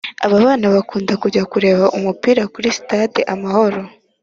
Ababana bakukunda kujya kureba umupira kuri stade amahoro